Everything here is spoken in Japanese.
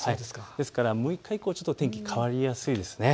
ですから６日以降、天気、変わりやすいですね。